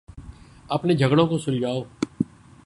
اپنے جھگڑوں کو سلجھاؤ۔